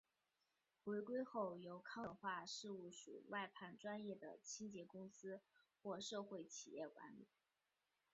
回归后由康乐文化事务署外判专业的清洁公司或社会企业管理。